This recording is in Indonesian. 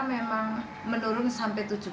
memang menurun sampai tujuh puluh persen